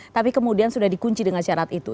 tapi kemudian sudah dikunci dengan syarat itu